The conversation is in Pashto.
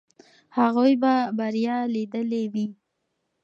هغوی به بریا لیدلې وي.